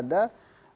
pilihan sulit di sini